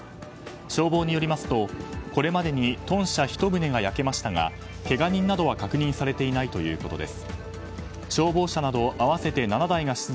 消防によりますとこれまでに豚舎２棟が焼けましたがけが人などは確認されていないということです。